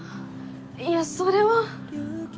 いやそれは